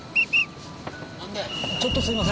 ちょっとすいません。